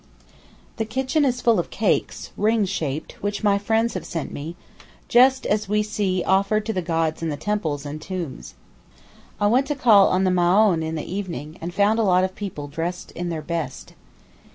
The kitchen is full of cakes (ring shaped) which my friends have sent me, just such as we see offered to the gods in the temples and tombs. I went to call on the Maōhn in the evening, and found a lot of people all dressed in their best.